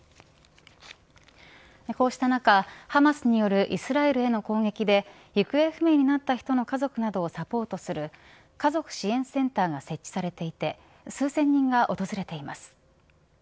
こうした中ハマスによるイスラエルへの攻撃で行方不明になった人の家族などをサポートする家族支援センターが設置されていて数千人が訪れています。